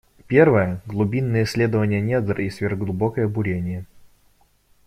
Первая — глубинное исследование недр и сверхглубокое бурение.